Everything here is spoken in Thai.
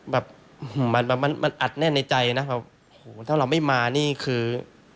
แบบหูมันอัดแน่ในใจนะถ้าเราไม่มานี่คือ